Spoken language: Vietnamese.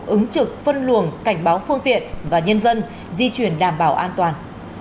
ứng trực phân luồng cảnh báo phương tiện và nhân dân di chuyển đảm bảo an toàn